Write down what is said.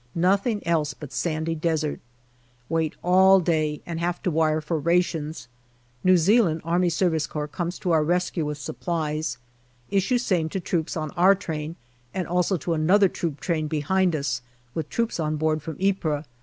Nothing else but sandy desert. Wait all day and have to wire 324 GALLIPOLI DIARY for rations. New Zealand A.S.C. comes to our rescue with supplies. Issue same to troops on our train and also to another troop train behind us, with troops on board from Ypres.